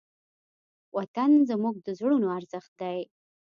وطن زموږ د زړونو ارزښت دی.